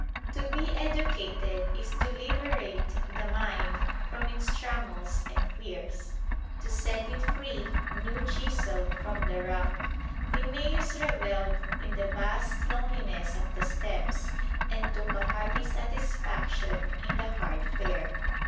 To be educated is to liberate the mind from its trammels and fears to set it free, new chiseled from the rock. Linnæus reveled in the vast loneliness of the steppes and took a hearty satisfaction in the hard fare.